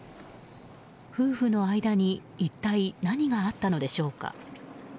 夫婦の間に一体、何があったのでしょうか。